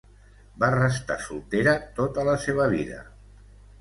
Va restar soltera tota la seva vida.